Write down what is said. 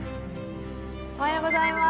おはようございます。